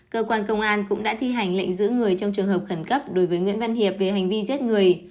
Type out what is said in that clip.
cơ quan công an cũng đã thi hành lệnh giữ người trong trường hợp khẩn cấp đối với nguyễn văn hiệp về hành vi giết người